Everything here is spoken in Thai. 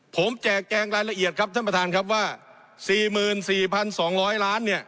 ผมแจกแจงรายละเอียดครับท่านประทานครับว่าสี่หมื่นสี่พันสองร้อยล้านเนี่ย